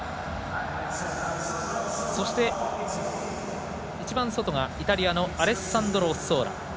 そして、一番外がイタリアのアレッサンドロ・オッソーラ。